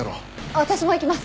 私も行きます！